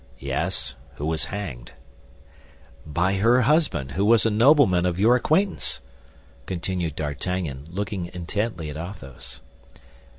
"Yes, who was hanged." "By her husband, who was a nobleman of your acquaintance," continued D'Artagnan, looking intently at Athos.